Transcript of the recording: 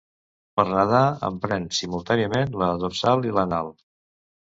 Per nedar empren simultàniament la dorsal i l'anal.